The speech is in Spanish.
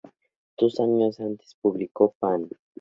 Dos años antes publicó" Pan.